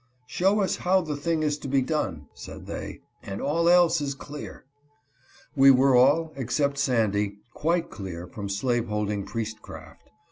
" Show us how the thing is to be done," said they, " and all else is clear.'* We were all, except Sandy, quite clear from slave holding priestcraft.